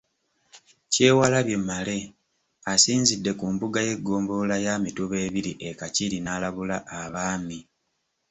Kyewalabye Male asinzidde ku mbuga y’eggombolola ya Mituba ebiri e Kakiri n’alabula Abaami.